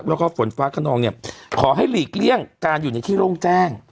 แล้วก็ฝนฟ้าขนองเนี่ยขอให้หลีกเลี่ยงการอยู่ในที่โล่งแจ้ง